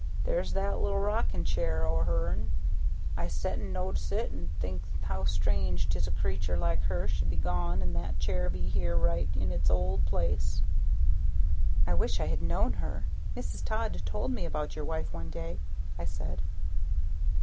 "There's that little rockin' chair o' her'n, I set an' notice it an' think how strange 'tis a creatur' like her should be gone an' that chair be here right in its old place." "I wish I had known her; Mrs. Todd told me about your wife one day," I said.